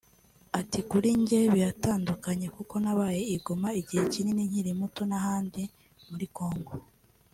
Ati “Kuri njye biratandukanye kuko nabaye i Goma igihe kinini nkiri muto n’ahandi muri Congo